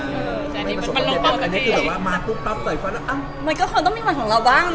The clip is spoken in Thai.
อันนี้คือเหมือนมีก็ต้องมีอันของเราบ้างเนอะ